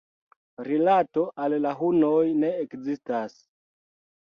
Rilato al la hunoj ne ekzistas.